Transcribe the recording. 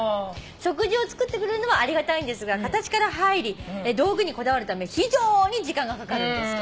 「食事を作ってくれるのはありがたいんですが形から入り道具にこだわるため非常に時間がかかるんです」